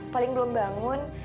paling belum bangun